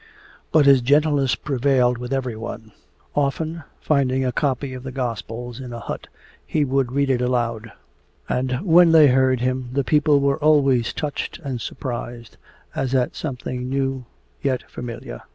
But his gentleness prevailed with everyone. Often, finding a copy of the Gospels in a hut he would read it aloud, and when they heard him the people were always touched and surprised, as at something new yet familiar.